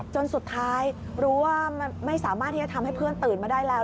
จนสุดท้ายรู้ว่าไม่สามารถที่จะทำให้เพื่อนตื่นมาได้แล้ว